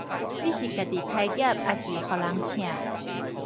你是家己開業抑是予人倩？